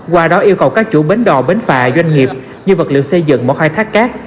qua đó yêu cầu các chủ bến đò bến phà doanh nghiệp như vật liệu xây dựng mỏ khai thác cát